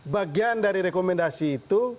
bagian dari rekomendasi itu